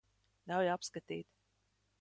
Ļauj apskatīt.